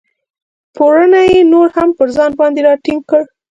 پوړنی یې نور هم پر ځان باندې را ټینګ کړ.